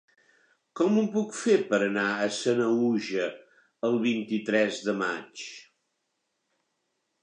Com ho puc fer per anar a Sanaüja el vint-i-tres de maig?